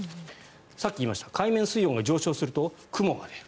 さっき言いましたが海面水温が上昇すると雲が出る。